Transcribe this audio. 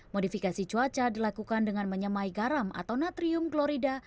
modifikasi cuaca dilakukan dengan menyemai garam atau natrium glorida